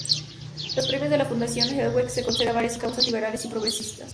Los premios de la Fundación Hewlett se conceden a varias causas liberales y progresistas.